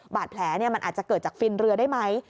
บาดแผลมันอาจจะเกิดจากฟินเรือได้ไหม